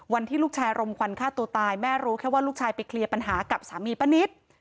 วันที่ลูกชายรมควันฆ่าตัวตายแม่รู้แค่ว่าลูกชายไปเคลียร์ปัญหากับสามีป้านิต